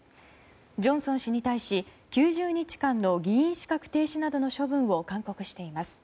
ジョンソン氏に対し、９０日間の議員資格停止などの処分を勧告しています。